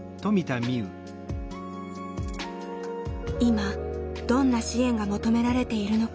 今どんな支援が求められているのか。